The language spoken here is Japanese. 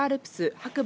白馬